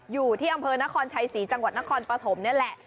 อยู่ที่อำเภอนครชัยศรีจังหวัดนครปฐมนี่แหละ